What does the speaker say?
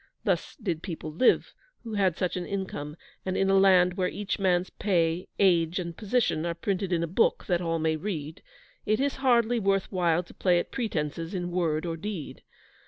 Thus did people live who had such an income; and in a land where each man's pay, age, and position are printed in a book, that all may read, it is hardly worth while to play at pretences in word or deed.